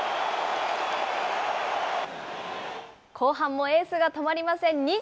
後半もエースが止まりません。